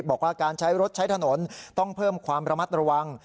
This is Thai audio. บอกว่าการใช้รถใช้ถนนต้องเพิ่มความระมัดระวัง